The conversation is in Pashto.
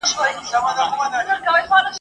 خو موږ ټول باید روان سو د وروستي تم ځای پر لوري ..